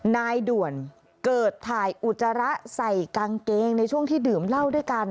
นายด่วนเกิดถ่ายอุจจาระใส่กางเกงในช่วงที่ดื่มเหล้าด้วยกัน